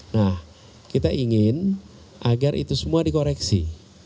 nah kita ingin agar itu semua dikoreksi